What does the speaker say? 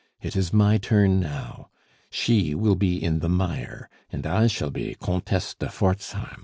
It is my turn now. She will be in the mire, and I shall be Comtesse de Forzheim!"